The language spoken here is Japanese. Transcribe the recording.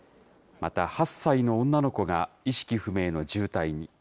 また８歳の女の子が意識不明の重体に。